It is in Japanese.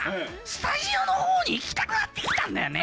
スタジオのほうにさ行きたかったんだよね。